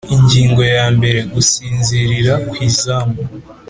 Ingingo ya mbere Gusinzirira ku izamu